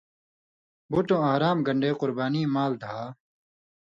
بُٹوں احرام گن٘ڈے قربانیں مال دھا،